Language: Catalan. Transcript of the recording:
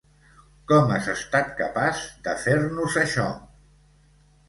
Com has estat capaç de fer-nos això?